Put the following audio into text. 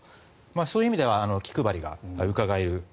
そういう意味では気配りがうかがえる。